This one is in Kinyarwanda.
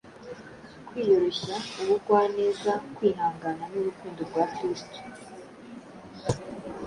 kwiyoroshya, ubugwaneza, kwihangana n’urukundo rwa Kristo.